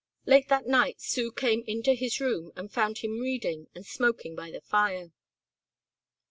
Late that night Sue came into his room and found him reading and smoking by the fire.